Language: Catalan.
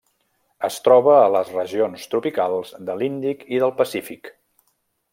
Es troba a les regions tropicals de l'Índic i del Pacífic.